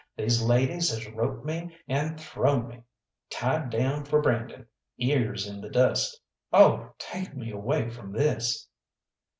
These ladies has roped me, and thrown me, tied down for branding, ears in the dust. Oh, take me away from this!"